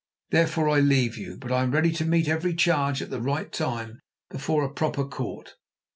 Therefore I leave you, but am ready to meet every charge at the right time before a proper Court.